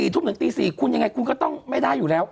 ทุ่มถึงตี๔คุณยังไงคุณก็ต้องไม่ได้อยู่แล้ว